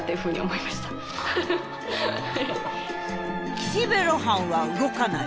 「岸辺露伴は動かない」。